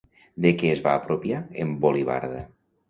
De què es va apropiar en Volivarda?